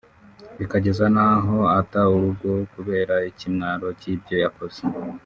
bikageza n’aho ata urugo kubera ikimwaro cy’ibyo yakoze